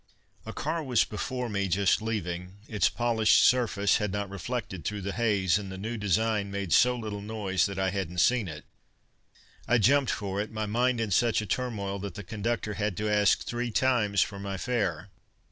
A car was before me, just leaving. Its polished surface had not reflected through the haze, and the new design made so little noise that I hadn't seen it. I jumped for it, my mind in such a turmoil that the conductor had to ask three times for my fare.